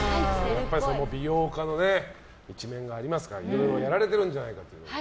美容家の一面がありますからいろいろやられてるんじゃないかという。